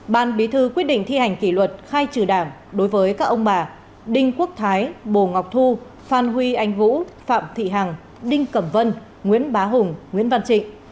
ban bí thư quyết định thi hành kỷ luật khai trừ đảng đối với các ông bà đinh quốc thái bồ ngọc thu phan huy anh vũ phạm thị hằng đinh cẩm vân nguyễn bá hùng nguyễn văn trịnh